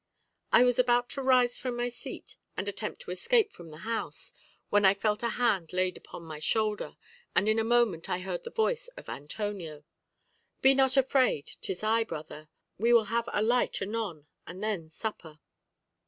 I was about to rise from my seat and attempt to escape from the house, when I felt a hand laid upon my shoulder, and in a moment I heard the voice of Antonio: "Be not afraid; 'tis I, brother. We will have a light anon, and then supper."